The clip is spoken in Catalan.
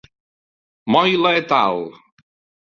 Moyle et al.